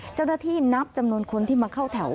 เจ้าหน้าที่นับจำนวนคนที่มาเข้าแถว